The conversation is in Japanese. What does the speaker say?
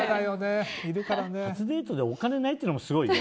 初デートでお金ないっていうのもすごい。